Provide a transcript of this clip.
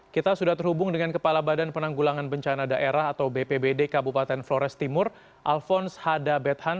kita sudah terhubung dengan kepala badan penanggulangan bencana daerah atau bpbd kabupaten flores timur alphonse hada bethan